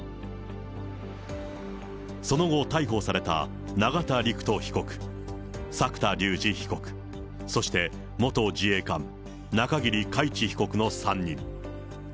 その後、逮捕された永田陸人被告、作田竜二被告、そして、元自衛官、中桐海知被告の３人。